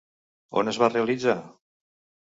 On es va realitzar?